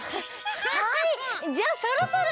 はいじゃあそろそろ。